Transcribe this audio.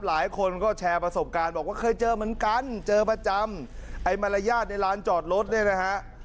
หลายคนก็แชร์ประสบการณ์บอกว่าเคยเจอเหมือนกันเจอประจำไอ้มารยาทในร้านจอดรถเนี่ยนะฮะ